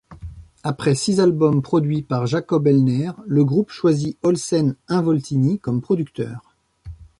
Après six albums produits par Jacob Hellner, le groupe choisit Olsen Involtini comme producteur.